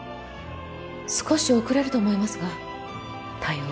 少し遅れると思いますが対応